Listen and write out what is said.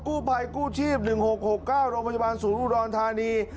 กู้ภัยกู้ชีพ๑๖๖๙โรงพยาบาลศูนย์อุดรธานี